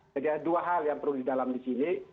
jadi ada dua hal yang perlu didalam disini